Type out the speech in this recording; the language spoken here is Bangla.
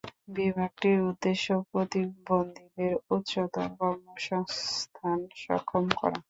বিভাগটির উদ্দেশ্য প্রতিবন্ধীদের উচ্চতর কর্মসংস্থান সক্ষম করা।